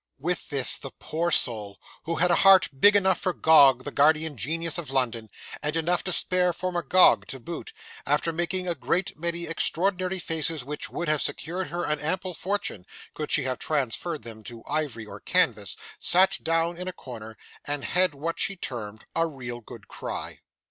With this, the poor soul, who had a heart big enough for Gog, the guardian genius of London, and enough to spare for Magog to boot, after making a great many extraordinary faces which would have secured her an ample fortune, could she have transferred them to ivory or canvas, sat down in a corner, and had what she termed 'a real good cry.